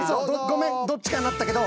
ごめんどっちかになったけど。